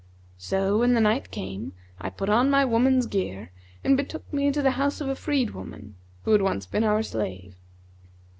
So, when the night came, I put on my woman's gear and betook me to the house of a freed woman who had once been our slave.